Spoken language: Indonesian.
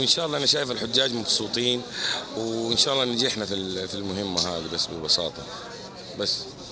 insya allah kami melihat khujaj yang senang dan mencapai keuntungan dalam hal ini